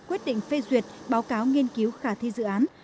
quyết định phê duyệt báo cáo nghiên cứu khả thi dự án